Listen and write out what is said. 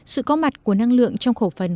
sự có mặt của năng lượng trong khẩu phần